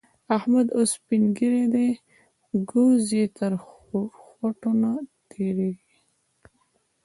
احمد اوس سپين ږير دی؛ ګوز يې تر خوټو نه تېرېږي.